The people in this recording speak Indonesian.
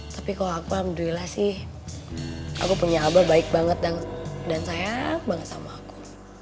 tapi kalau aku alhamdulillah sih aku punya abah baik banget dan sayang banget sama aku